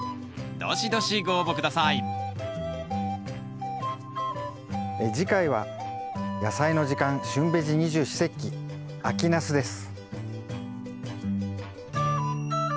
どしどしご応募下さい次回は「やさいの時間旬ベジ二十四節気」秋ナスです。